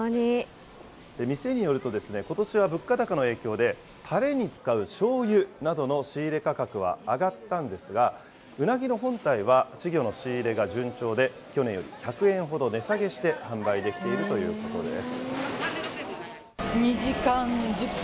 店によると、ことしは物価高の影響で、たれに使うしょうゆなどの仕入れ価格は上がったんですが、うなぎの本体は稚魚の仕入れが順調で、去年より１００円ほど値下げして販売できているということです。